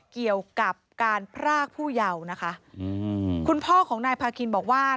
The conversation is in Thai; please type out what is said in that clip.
เกี่ยวกับการพรากผู้เยาว์นะคะอืมคุณพ่อของนายพาคินบอกว่า